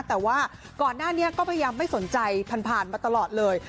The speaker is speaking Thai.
แต่ว่าก่อนหน้านี้ก็พยายามไม่สนใจผ่านผ่านมาตลอดเลย